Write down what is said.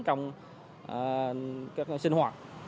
trong các sinh hoạt